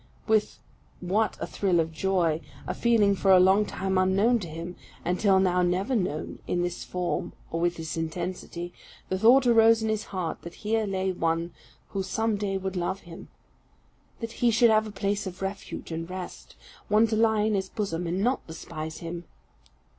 With what a thrill of joy, a feeling for a long time unknown to him, and till now never known in this form or with this intensity, the thought arose in his heart that here lay one who some day would love him; that he should have a place of refuge and rest; one to lie in his bosom and not despise him!